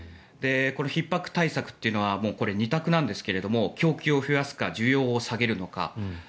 ひっ迫対策というのは２択なんですが供給を増やすか需要を下げるのか。